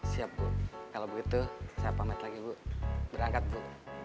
siap bu kalau begitu saya pamit lagi bu berangkat bu